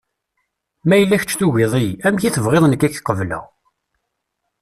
Ma yella kečč tugiḍ-iyi, amek i tebɣiḍ nekk ad k-qebleɣ.